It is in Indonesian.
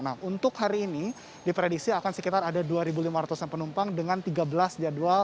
nah untuk hari ini diprediksi akan sekitar ada dua lima ratus an penumpang dengan tiga belas jadwal